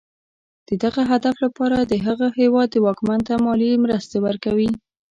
د دغه هدف لپاره د هغه هېواد واکمن ته مالي مرستې ورکوي.